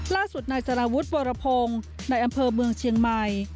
ล่าสุดนายสารวุฒิวรพงศ์ในอำเภอเมืองเชียงใหม่